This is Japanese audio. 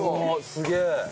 すげえ！